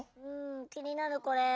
気になるこれ。